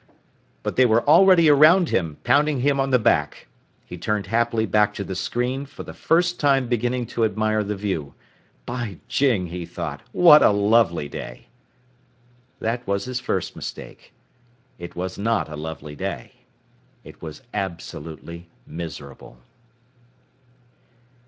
But they were already around him, pounding him on the back. He turned happily back to the screen, for the first time beginning to admire the view. By jing, he thought, what a lovely day! That was his first mistake. It was not a lovely day. It was absolutely miserable.